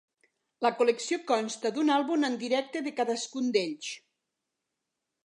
La col·lecció consta d'un àlbum en directe de cadascun d'ells.